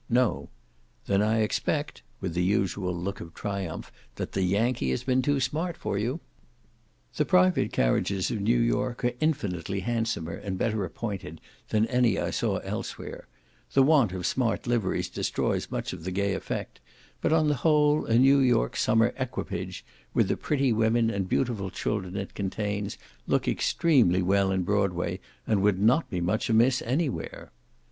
"No." "Then I expect" (with the usual look of triumph) "that the Yankee has been too smart for you." The private carriages of New York are infinitely handsomer and better appointed than any I saw elsewhere; the want of smart liveries destroys much of the gay effect, but, on the whole, a New York summer equipage, with the pretty women and beautiful children it contains, look extremely well in Broadway, and would not be much amiss anywhere.